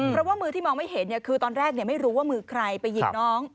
เพราะว่ามือที่มองไม่เห็นคือตอนแรกไม่รู้ว่ามือใครไปยิงน้อง